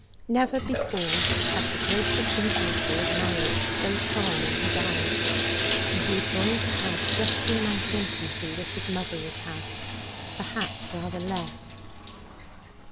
Never before had the gracious intimacy of marriage so shone in his eyes. And he was going to have just the amount of intimacy that his mother would have, perhaps rather less.